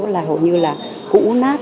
là hầu như là cũ nát